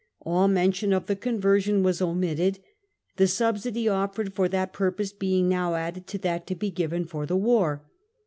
All mention of the conversion was omitted, the subsidy offered for that purpose being now added to that to be given for the war.